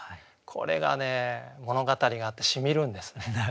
これがね物語があってしみるんですね。